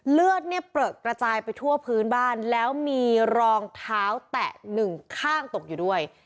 เลือดเนี่ยเปลือกกระจายไปทั่วพื้นบ้านแล้วมีรองเท้าแตะหนึ่งข้างตกอยู่ด้วย